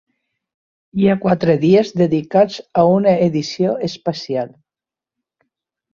Hi ha quatre dies dedicats a una edició especial.